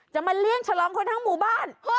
มาเลี่ยงฉลองคนทั้งหมู่บ้าน